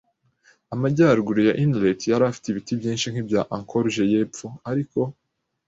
Amajyaruguru ya Inlet yari afite ibiti byinshi nkibya ankorge yepfo, ariko